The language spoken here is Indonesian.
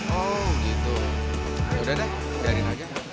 oh gitu yaudah deh biarin aja